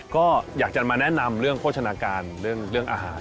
ก็อยากจะมาแนะนำเรื่องโภชนาการเรื่องอาหาร